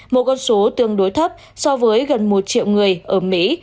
một con số tương đối thấp so với gần một triệu người ở mỹ